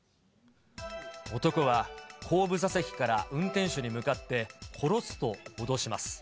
男は後部座席から運転手に向かって殺すと脅します。